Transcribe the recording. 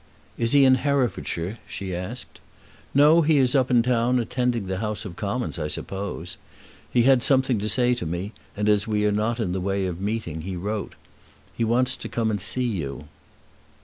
"Is he in Herefordshire?" she asked. "No; he is up in town, attending to the House of Commons, I suppose. He had something to say to me, and as we are not in the way of meeting he wrote. He wants to come and see you."